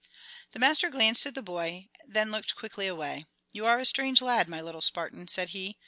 The master glanced at the boy, and then looked quickly away. "You are a strange lad, my little Spartan," said he.